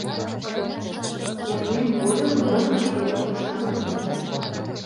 Кертмем годым молан мый эре коштам ыле?